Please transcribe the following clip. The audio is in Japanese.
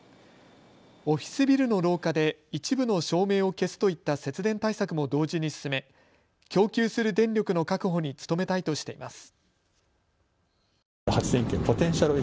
オフィスビルの廊下で一部の照明を消すといった節電対策も同時に進め、供給する電力の確保に努めたいとしています。